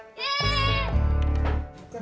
bunga tunggu bapak